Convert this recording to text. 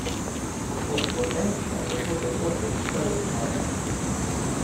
Am fost prudent și am depus eforturi stăruitoare.